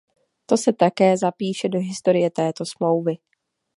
To se také zapíše do historie této smlouvy.